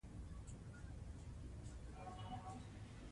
خلک پرې باور لري.